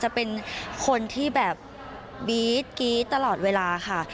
จะเป็นคนที่แบบบี๊ดกรี๊ดตลอดเวลาค่ะ